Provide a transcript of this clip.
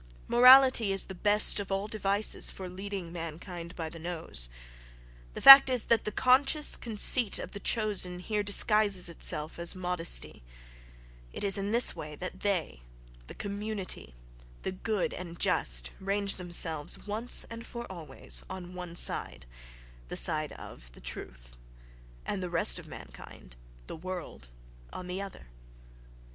Morality is the best of all devices for leading mankind by the nose!—The fact is that the conscious conceit of the chosen here disguises itself as modesty: it is in this way that they, the "community," the "good and just," range themselves, once and for always, on one side, the side of "the truth"—and the rest of mankind, "the world," on the other....